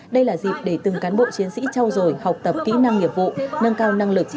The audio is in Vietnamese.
đây là dịp để từng cán bộ chiến sĩ trao dồi học tập kỹ năng nghiệp vụ nâng cao năng lực trí